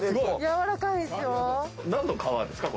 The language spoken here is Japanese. やわらかいですよ。